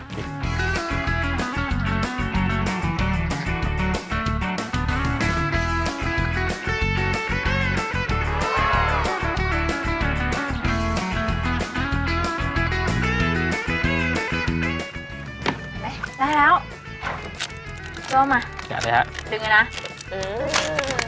ไปได้แล้วเข้ามาอยากได้ฮะดึงไว้นะอืม